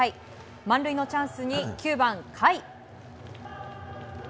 満塁のチャンスに９番、甲斐。